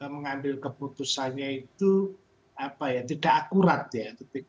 mengambil keputusannya itu tidak akurat ya